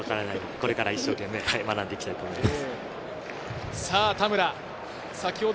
これから一生懸命学んでいきたいと思います。